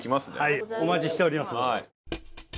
はいお待ちしております。